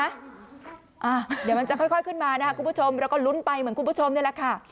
เดี๋ยวมันจะค่อยขึ้นมานะครับคุณผู้ชมแล้วก็ลุ้นไปเหมือนคุณผู้ชมนี่แหละค่ะ